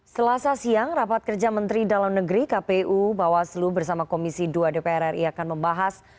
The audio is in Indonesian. selasa siang rapat kerja menteri dalam negeri kpu bawaslu bersama komisi dua dpr ri akan membahas